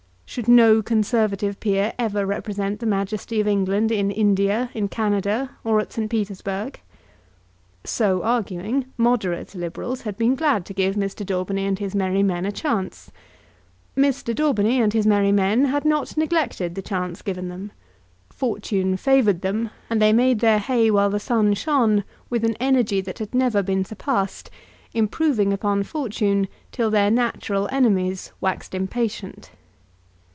Should no Conservative Peer ever represent the majesty of England in India, in Canada, or at St. Petersburgh? So arguing, moderate Liberals had been glad to give Mr. Daubeny and his merry men a chance. Mr. Daubeny and his merry men had not neglected the chance given them. Fortune favoured them, and they made their hay while the sun shone with an energy that had never been surpassed, improving upon Fortune, till their natural enemies waxed impatient.